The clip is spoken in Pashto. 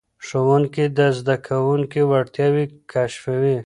ښوونکي د زده کوونکو وړتیاوې کشفوي.